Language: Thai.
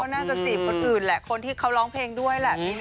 น่าจะจีบคนอื่นแหละคนที่เขาร้องเพลงด้วยแหละ